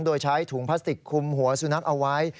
โดยใช้ถุงพลาสติกคุมหัวสุนัขเอาไว้